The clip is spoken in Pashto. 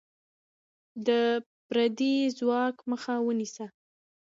د پردی ځواک مخه ونیسه.